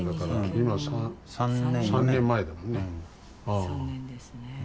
３年ですね。